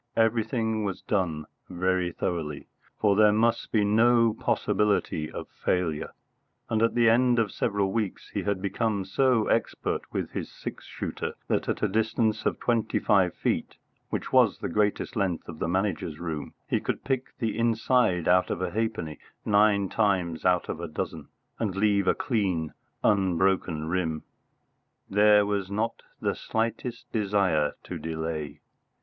Everything was done very thoroughly, for there must be no possibility of failure; and at the end of several weeks he had become so expert with his six shooter that at a distance of 25 feet, which was the greatest length of the Manager's room, he could pick the inside out of a halfpenny nine times out of a dozen, and leave a clean, unbroken rim. There was not the slightest desire to delay.